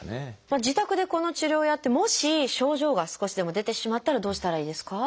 自宅でこの治療をやってもし症状が少しでも出てしまったらどうしたらいいですか？